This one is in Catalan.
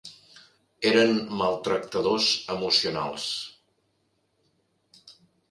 Eren maltractadors emocionals.